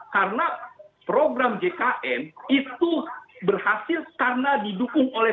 karena program jkn itu berhasil karena didukung oleh